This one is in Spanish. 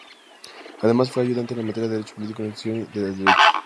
Además fue ayudante en las materias de Derecho Político e Introducción al Derecho.